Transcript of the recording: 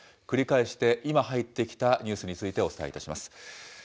繰り返して今入ってきたニュースについてお伝えいたします。